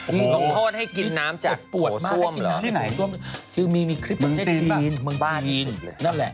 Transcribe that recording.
น้องโทษให้กินน้ำจากโขส้วมเหรอที่ไหนมึงจีนป่ะมึงจีนนั่นแหละ